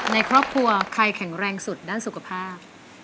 ในครอบครัวใครแข็งแรงสุดด้านสุขภาพ